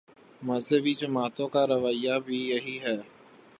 مذہبی جماعتوں کا رویہ بھی یہی ہے۔